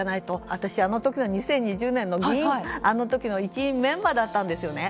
私は２０２０年のあの時の一メンバーだったんですよね。